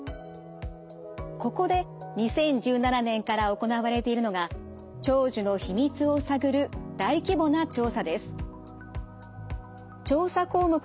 ここで２０１７年から行われているのが長寿の秘密を探る大規模な調査です。